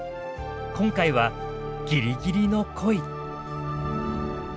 今回は「ギリギリの恋」。